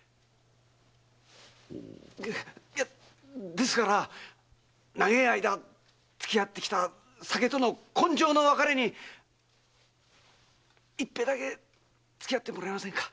ですから永い間付き合ってきた酒との今生の別れに一杯だけ付き合ってもらえませんか？